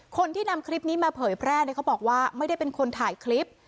คนที่นำคลิปนี้มาเผยแพร่เนี่ยเขาบอกว่าไม่ได้เป็นคนถ่ายคลิป